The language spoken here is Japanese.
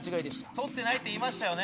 取ってないって言いましたよね。